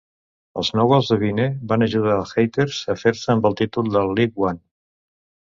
Els nou gols de Vine van ajudar als Hatters a fer-se amb el títol de League One.